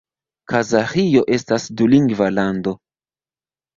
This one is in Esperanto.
Kazaĥio estas dulingva lando.